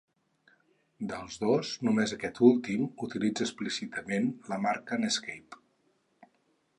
Dels dos, només aquest últim utilitza explícitament la marca Netscape.